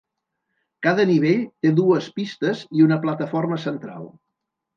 Cada nivell té dues pistes i una plataforma central.